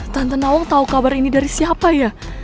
tante nawang tau kabar ini dari siapa ya